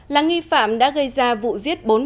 là nghi phạm đã gây ra vụ giết bốn bà chú